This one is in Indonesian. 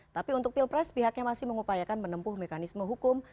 tapi untuk pilpres pihaknya masih mengupayakan menempuh mekanisme hukum